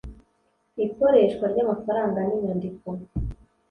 ikoreshwa ry amafaranga n inyandiko